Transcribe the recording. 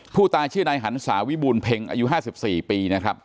ผู้ตายชื่อนายหันศาวิบูรเพ็งอายุ๕๔ปีนะครับ